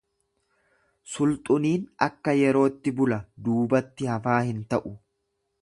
Sulxuniin akka yerootti bula duubatti hafaa hin ta’u